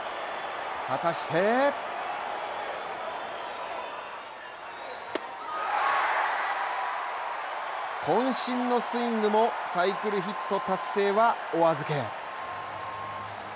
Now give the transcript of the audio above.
果たしてこん身のスイングもサイクルヒット達成はお預け。